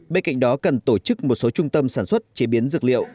bên cạnh đó cần tổ chức một số trung tâm sản xuất chế biến dược liệu